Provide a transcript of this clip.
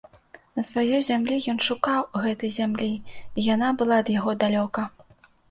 На сваёй зямлі ён шукаў гэтай зямлі, і яна была ад яго далёка.